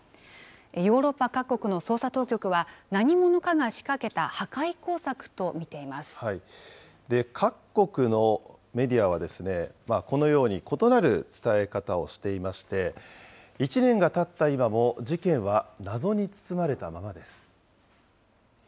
ヨーロッパ各国の捜査当局は、何者かが仕掛けた破壊工作と見てい各国のメディアは、このように異なる伝え方をしていまして、１年がたった今も事件は謎に包まれたままです。